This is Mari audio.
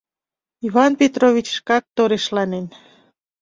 Иван Петрович шкак торешланен.